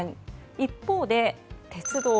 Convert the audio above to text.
一方で、鉄道。